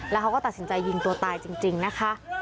แล้วเขาก็ตัดสินใจยิงตัวตายจริงนะคะ